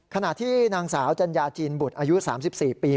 ขณะที่นางสาวจัญญาจีนบุตรอายุ๓๔ปี